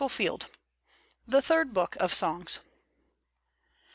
ocKf g:.. THE THIRD BOOK OF SONGS.